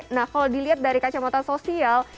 nah kalau dilihat dari kacamata sosial